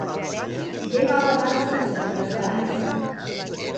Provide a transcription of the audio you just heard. Bé va la dansa, senyora Esperança.